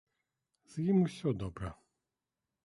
З ім усё добра.